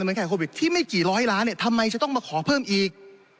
แข่งโควิดที่ไม่กี่ร้อยล้านเนี่ยทำไมจะต้องมาขอเพิ่มอีก